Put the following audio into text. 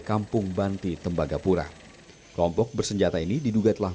yang laki laki ditodong senjatanya di kepala